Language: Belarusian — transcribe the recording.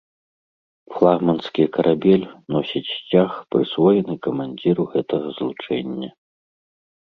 Флагманскі карабель носіць сцяг, прысвоены камандзіру гэтага злучэння.